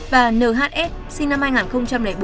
và nhs sinh năm hai nghìn bốn